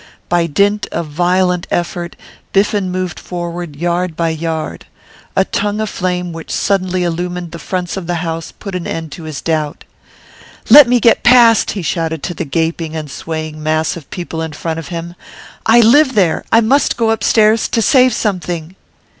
By dint of violent effort Biffen moved forward yard by yard. A tongue of flame which suddenly illumined the fronts of the houses put an end to his doubt. 'Let me get past!' he shouted to the gaping and swaying mass of people in front of him. 'I live there! I must go upstairs to save something!